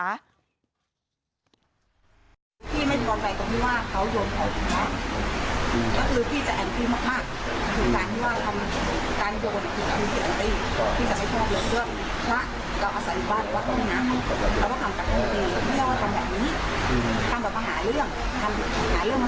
พี่ไม่ยอมไปตรงนี้ว่าเขาโยนข่าวของข้า